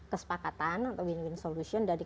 kesepakatan atau win win solution dari